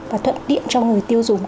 và thuận tiện cho người tiêu dùng